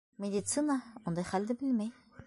Медицина... ундай хәлде белмәй.